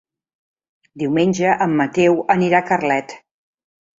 Diumenge en Mateu anirà a Carlet.